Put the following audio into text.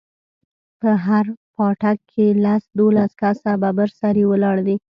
په هر پاټک کښې لس دولس کسه ببر سري ولاړ دي.